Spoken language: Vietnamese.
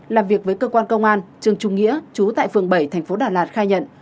làm việc với cơ quan công an trương trung nghĩa chú tại phường bảy thành phố đà lạt khai nhận